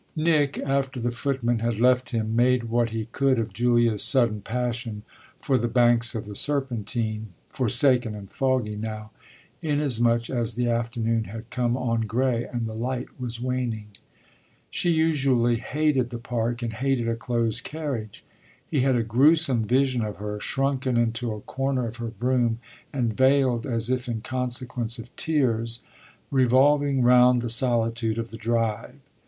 Nick, after the footman had left him, made what he could of Julia's sudden passion for the banks of the Serpentine, forsaken and foggy now, inasmuch as the afternoon had come on grey and the light was waning. She usually hated the Park and hated a closed carriage. He had a gruesome vision of her, shrunken into a corner of her brougham and veiled as if in consequence of tears, revolving round the solitude of the Drive.